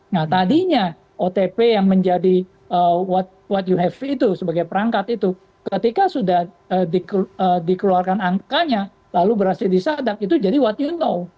nah tadinya otp yang menjadi what yohafri itu sebagai perangkat itu ketika sudah dikeluarkan angkanya lalu berhasil disadap itu jadi what you know